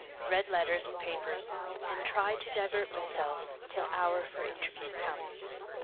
Read letters and papers and try to divert myself till hour for interview comes.